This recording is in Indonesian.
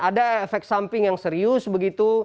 ada efek samping yang serius begitu